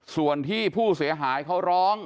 ส่วนที่ผู้เสียหายเขาร้อง